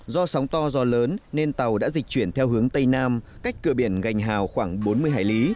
do sóng to gió lớn nên tàu đã dịch chuyển theo hướng tây nam cách cửa biển gành hào khoảng bốn mươi hải lý